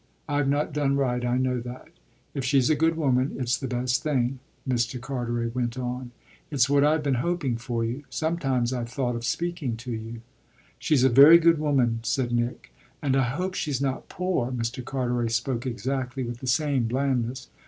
I've not done right, I know that. If she's a good woman it's the best thing," Mr. Carteret went on. "It's what I've been hoping for you. Sometimes I've thought of speaking to you." "She's a very good woman," said Nick. "And I hope she's not poor." Mr. Carteret spoke exactly with the same blandness.